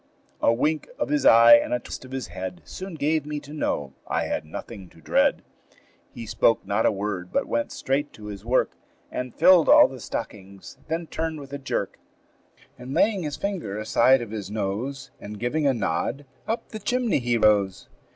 A wink of his eye and a twist of his head Soon gave me to know I had nothing to dread. He spoke not a word, but went straight to his work, And filled all the stockings; then turned with a jerk, And laying his finger aside of his nose, And giving a nod, up the chimney he rose.